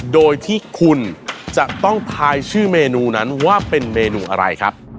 โดยที่คุณจะต้องทายชื่อเมนูนั้นว่าเป็นเมนูอะไรครับ